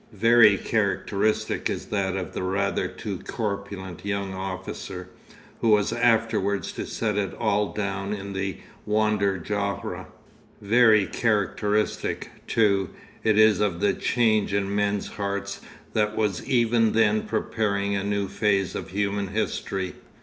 Very characteristic is that of the 'rather too corpulent' young officer, who was afterwards to set it all down in the Wander Jahre. Very characteristic, too, it is of the change in men's hearts that was even then preparing a new phase of human history.